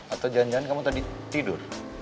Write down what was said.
atau jangan jangan kamu tadi tidur